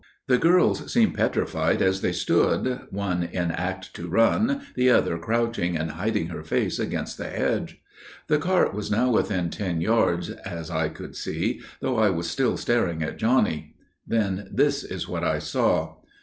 "The girls seemed petrified as they stood, one in act to run, the other crouching and hiding her face against the hedge. The cart was now within ten yards, as I could see, though I was still staring at Johnny. Then this is what I saw.